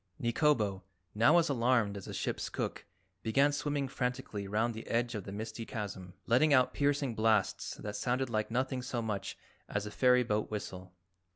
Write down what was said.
Nikobo, now as alarmed as the ship's cook, began swimming frantically round the edge of the misty chasm, letting out piercing blasts that sounded like nothing so much as a ferry boat whistle.